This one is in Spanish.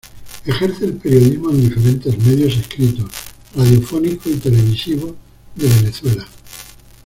Ejerce el periodismo en diferentes medios escritos, radiofónicos y televisivos de Venezuela.